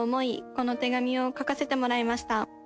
この手紙をかかせてもらいました。